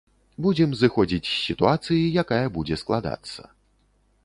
Будзем зыходзіць з сітуацыі, якая будзе складацца.